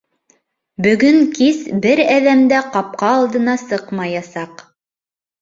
Бөгөн кис бер әҙәм дә ҡапҡа алдына сыҡмаясаҡ.